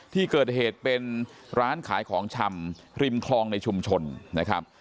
ที่เกิดเหตุเป็นร้านขายของชำริมคลองในชุมชนนะครับ